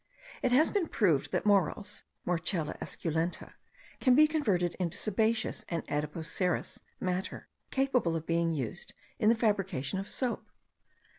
It has been proved that morels (Morchella esculenta) can be converted into sebaceous and adipocerous matter, capable of being used in the fabrication of soap.